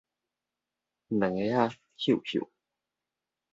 兩个仔嗅嗅